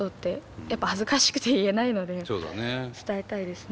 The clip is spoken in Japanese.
やっぱ恥ずかしくて言えないので伝えたいですね。